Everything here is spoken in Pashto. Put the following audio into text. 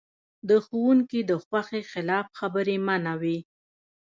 د ښوونکي د خوښې خلاف خبرې منع وې.